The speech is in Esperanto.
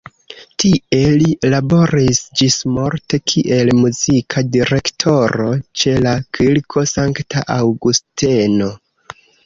Tie li laboris ĝismorte kiel muzika direktoro ĉe la Kirko Sankta Aŭgusteno.